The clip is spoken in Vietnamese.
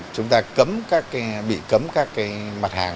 chúng ta bị cấm các mặt hàng